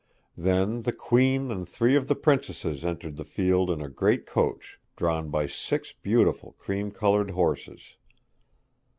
Then the Queen and three of the princesses entered the field in a great coach drawn by six beautiful cream coloured horses.